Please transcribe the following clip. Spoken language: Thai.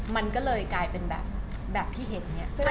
มันก็เลยกลายเป็นแบบที่เห็นเนี่ย